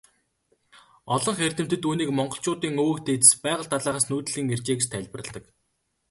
Олонх эрдэмтэд үүнийг монголчуудын өвөг дээдэс Байгал далайгаас нүүдэллэн иржээ гэж тайлбарладаг.